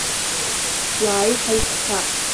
Уааи, хаиқәԥап!